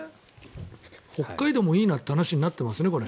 北海道もいいなって話になってますね、これ。